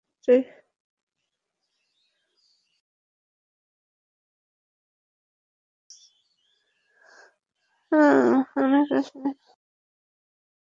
অনেক আশা নিয়ে সর্বোচ্চ আটবারের সোনাজয়ী ভারত ঝরে গেছে শেষ আটেই।